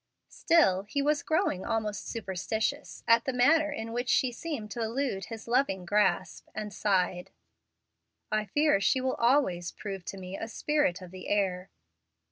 Still he was growing almost superstitious at the manner in which she seemed to elude his loving grasp, and sighed, "I fear she will always prove to me a spirit of the air."